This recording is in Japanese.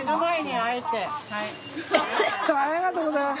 ありがとうございます。